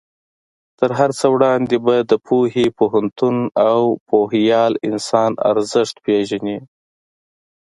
تر هر څه وړاندې به د پوهې، پوهنتون او پوهیال انسان ارزښت پېژنې.